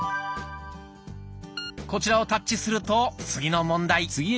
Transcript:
こちらをタッチすると次の問題。